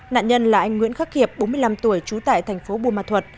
nạn nhân là anh nguyễn khắc hiệp bốn mươi năm tuổi trú tại thành phố bùa ma thuật